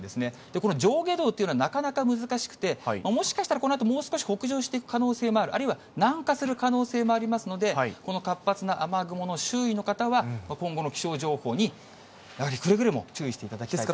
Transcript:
この上下動っていうのはなかなか難しくて、もしかしたらこのあと、北上していく可能性もある、あるいは南下する可能性もありますので、この活発な雨雲の周囲の方は、今後の気象情報に、くれぐれも注意していただきたいです。